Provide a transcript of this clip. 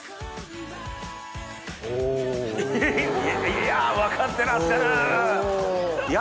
・いや分かってらっしゃる！